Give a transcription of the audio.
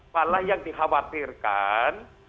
malah yang dikhawatirkan